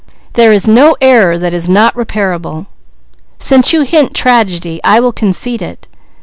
There is no error that is reparable. Since you hint tragedy, I will concede it.